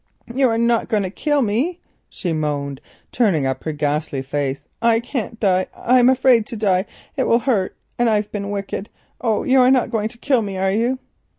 "You are not going to kill me?" she moaned, turning up her ghastly face. "I can't die. I'm afraid to die. It will hurt, and I've been wicked. Oh, you are not going to kill me, are you?"